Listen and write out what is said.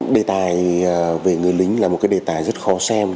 đề tài về người lính là một cái đề tài rất khó xem